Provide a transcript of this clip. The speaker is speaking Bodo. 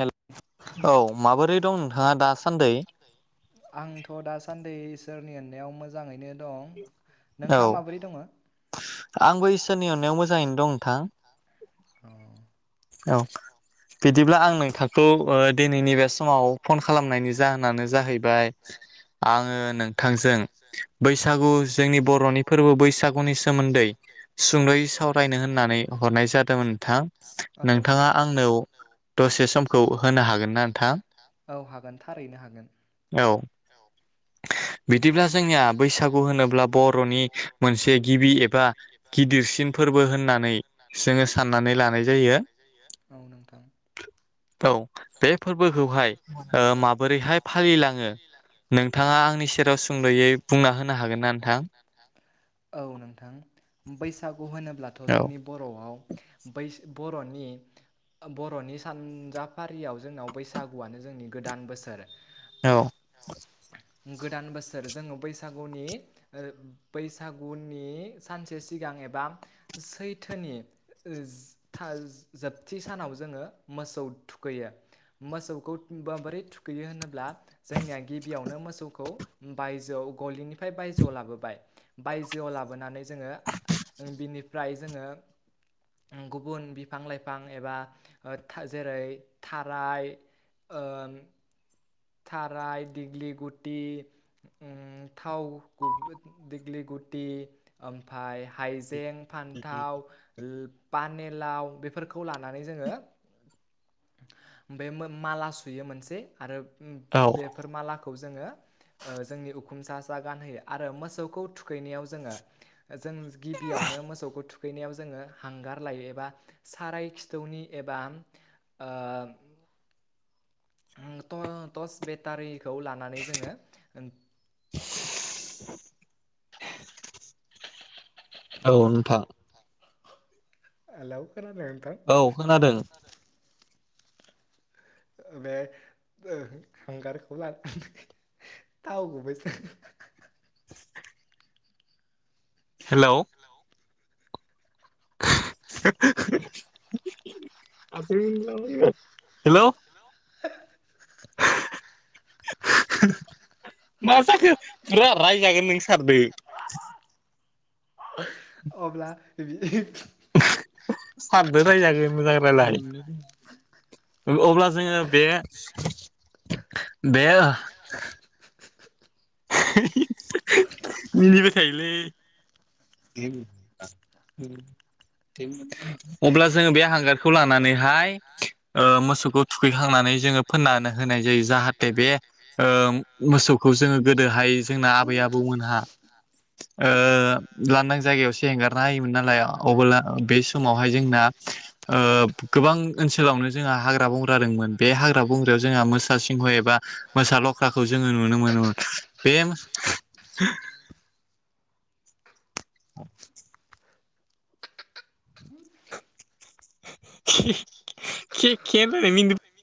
हेल औ माबोरै दं नोंथाङा दासान्दि? आंथ' दासान्दि इसोरनि अननायाव मोजाङैनो दं। औ नोंथाङा माबोरै दङ? औ आंबो इसोरनि अननायाव मोजाङैनो दं नोंथां। औ। बिदिब्ला आं नोंथांखौ ओ दिनैनि बे समाव फन खालामनायनि जाहोनानो जाहैबाय आङो नोंथांजों बैसागु जोंनि बर'नि फोरबो बैसागुनि सोमोन्दै सुंदयै सावरायनो होननानै हरनाय जादोंमोन नोंथां। औ नोंथाङा नोंथां आंनाव दत औ हागोन थारैनो हागोन। औ बिदिब्ला जोंनिया बैसागु होनोब्ला बर'नि मोनसे गिबि एबा गिदिरसिन फोरबो होननानै जोङो साननानै लानाय जायो औ नोंथां औ बे फोरबोखौहाय ओ माबोरैहाय फालिलाङो [unintelligible] आंनि सेराव स आनि सेराव सोंद'यै बुंना होनो हागोन ना नोंथां? औ नोंथां। बैसागु होनोब्लाथ' औ जोंनि बर'आव बै बर'नि बर'नि सानजाफारियाव जोंनाव बैसागुआनो जोंनि गोदान बोसोर। औ। गोदान बोसोर र जोङो बैसागुनि ओ बैसागुनि सानसे सिगां एबा सैथोनि जोबथि सानाव जोङो मोसौ थुखैयो मोसौखौ बोरै थुखैयो होनोब्ला जोंनिया गिबियावनो मोसौखौ बायजोआव गलिनिफ्राय बायजोआव लाबोबाय बायजोआव लाबोनानै जोङो बिनिफ्राय जोङो गुबुन बिफां लाइफां एबा जेरै थाराय ओम थाराय दिग्लि गुटि ओम थाव दिग्लि गुटि ओमफाय हाइजें फान्थाव लो पानि लाव बेफोरखौ लानानै जोङो बेमो माला सुयो मोनसे आरो ओम औ बेफोर मालाख खौखौ जोङो ओ जोंनि उखुम सा सा गानहोयो आरो मोसौखौ थुखैनायाव जोङो जों गिबियावनो मोसौखो थु थुखैनायाव जोङो हांगार लायो एबा साराय खिथौनि एबा ओ ओं त तस बेतारि खौ लानानै जोङो औ नोंथां। हेलौ। खोनादों नोंथां। औ खोनादों बे ओ हांगारखौ लानानै थाव गुबै हेलौ। हेलौ। [unintelligible] मा जाखो बिराद रायजागोन नों सारदो। अब्ला [unintelligible] सारदो रायजागोन मोजां रायलाय। अब्ला जोङो बे बे मिनिबायथायोलै। अब्ला जोङो बे हांगारखौ लानानैहाय मोसौखौ थुखैखांनानै जोङो फोननानै होनाय जायो जाहाथे बे मोसौखौ जोङो गोदोहाय जोंना आबै आबौमोनहा लानदां जायगायावसो एगारना होायोमोन नालाय अबोब्ला बे समावहाय जोंना गोबां ओनसोलावनो जोंहा हाग्रा बंग्रा दंमोन बे हाग्रा बंग्रायाव जोंहा मोसा सिंह एबा मोसा लख्राखौ जोङो नुनो मोनोमोन बे [inaudible] [unintelligible]